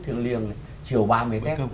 thương liêng chiều ba mươi tết